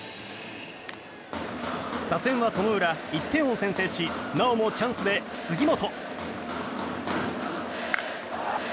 打線はその裏１点を先制しなおもチャンスで杉本。